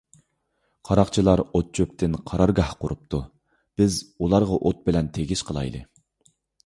قاراقچىلار ئوت - چۆپتىن قارارگاھ قۇرۇپتۇ، بىز ئۇلارغا ئوت بىلەن تېگىش قىلايلى.